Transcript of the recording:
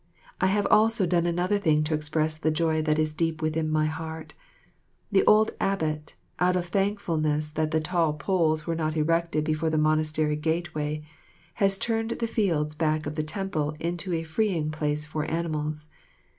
I have also done another thing to express the joy that is deep within my heart. The old abbot, out of thankfulness that the tall poles were not erected before the monastery gateway, has turned the fields back of the temple into a freeing place for animals.